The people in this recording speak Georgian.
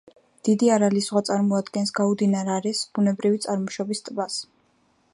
დიდი არალის ზღვა წარმოადგენს გაუდინარ არეს, ბუნებრივი წარმოშობის ტბას.